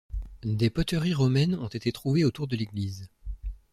Des poteries romaines ont été trouvées autour de l'église.